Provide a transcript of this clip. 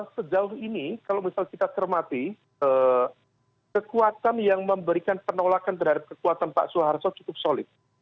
sejauh ini kalau misal kita cermati kekuatan yang memberikan penolakan terhadap kekuatan pak soeharto cukup solid